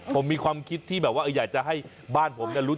ผมมีความคิดที่แบบว่าอยากจะให้บ้านผมรุ้น